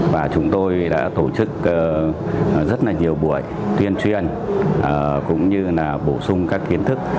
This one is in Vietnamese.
và chúng tôi đã tổ chức rất nhiều buổi tuyên truyền cũng như bổ sung các kiến thức